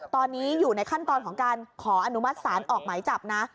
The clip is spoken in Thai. ตอนนี้อยู่ในขั้นตอนของการขออนุมัติศาลออกหมายจับนะ